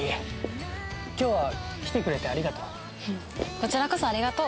こちらこそありがとう。